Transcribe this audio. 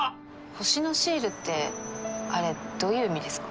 星のシールってあれどういう意味ですか？